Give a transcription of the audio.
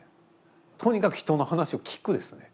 「とにかく人の話を聞く」ですね。